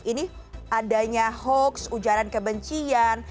ini adanya hoax ujaran kebencian